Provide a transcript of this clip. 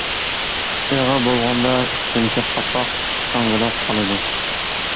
ئېغىر بولغاندا ئۈستۈنكى قاپاق ساڭگىلاپ قالىدۇ.